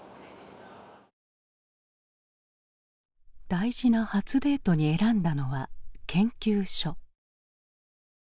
大事な初デートに選んだのは研究所。